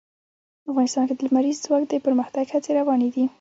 افغانستان کې د لمریز ځواک د پرمختګ هڅې روانې دي.